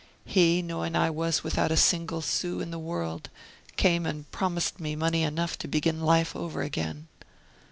He, knowing I was without a single sou in the world, came and promised me money enough to begin life over again.